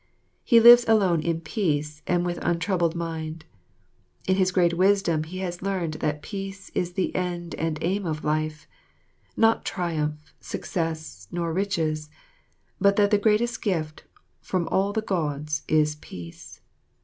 He lives alone in peace and with untroubled mind. In his great wisdom he has learned that peace is the end and aim of life; not triumph, success, nor riches, but that the greatest gift from all the Gods is peace.